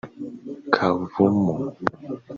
Kavumu